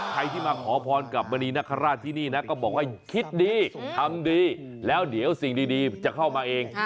ใครที่มาขอพรกับมณีนคราชที่นี่นะก็บอกว่าคิดดีทำดีแล้วเดี๋ยวสิ่งดีจะเข้ามาเอง